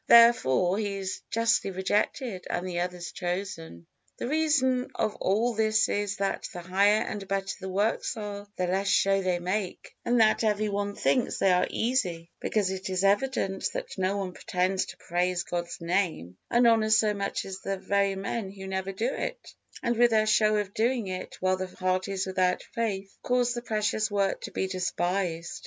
Therefore he is justly rejected and the other chosen. The reason of all this is that the higher and better the works are, the less show they make; and that every one thinks they are easy, because it is evident that no one pretends to praise God's Name and honor so much as the very men who never do it and with their show of doing it, while the heart is without faith, cause the precious work to be despised.